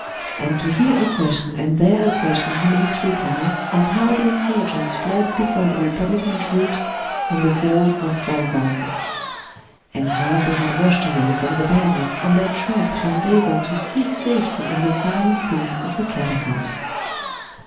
And to here a question and there a question he makes reply, of how the insurgents fled before the Republican troops, on the fall of Fort Vanves. And how they had rushed away from the bayonets on their track to endeavour to seek safety in the silent gloom of the catacombs.